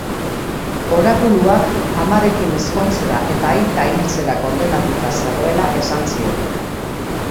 Orakuluak amarekin ezkontzera eta aita hiltzera kondenatuta zegoela esan zion.